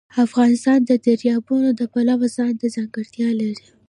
افغانستان د دریابونه د پلوه ځانته ځانګړتیا لري.